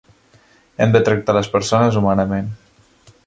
Hem de tractar les persones humanament.